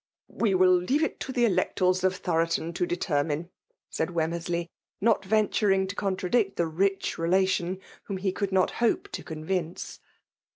•" We will leave it to the electors of Thoro ton to determine,'* said Wemmersley, not ven turing to contradict the rich relation whom he could not hope to convince.